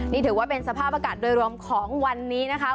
นี่ถือว่าเป็นสภาพอากาศโดยรวมของวันนี้นะคะ